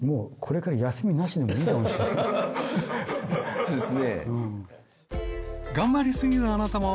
そうですね。